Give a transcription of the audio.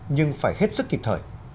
nhưng phải hết sức kịp thời